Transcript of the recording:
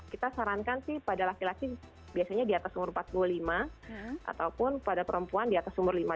kita sarankan sih pada laki laki biasanya di atas umur empat puluh lima ataupun pada perempuan di atas umur lima puluh